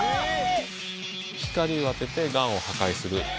光を当ててがんを破壊する。